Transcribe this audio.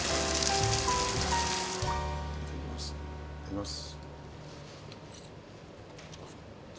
いただきます。